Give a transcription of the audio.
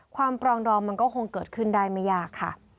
ปรองดองมันก็คงเกิดขึ้นได้ไม่ยากค่ะ